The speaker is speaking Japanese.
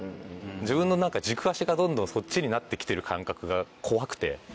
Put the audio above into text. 自分の軸足がどんどんそっちになって来てる感覚が怖くて。